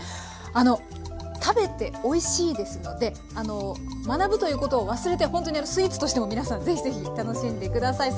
あの食べておいしいですので学ぶということを忘れてほんとにスイーツとしても皆さん是非是非楽しんで下さい。